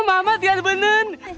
oh mama dia benen